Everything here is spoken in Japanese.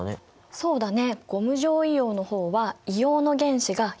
そうだね